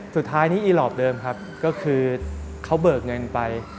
สุดท้ายนี้อีหลอปเดิมครับก็คือเขาเบิกเงินไป